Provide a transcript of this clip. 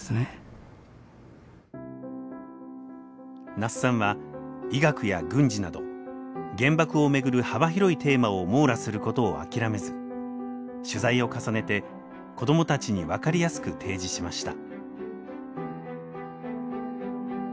那須さんは医学や軍事など原爆を巡る幅広いテーマを網羅することを諦めず取材を重ねて子どもたちに分かりやすく提示しました。